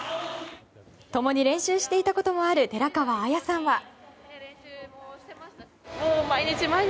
共に練習していたこともある寺川綾さんは。